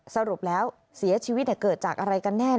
สรุปแล้วเสียชีวิตเกิดจากอะไรกันแน่